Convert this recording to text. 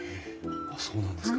あっそうなんですか。